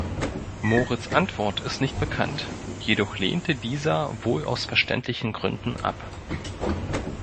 Moritz' Antwort ist nicht bekannt, jedoch lehnte dieser wohl aus verständlichen Gründen ab.